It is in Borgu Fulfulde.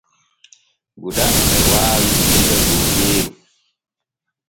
Guda e waawi piiɗe googeeru.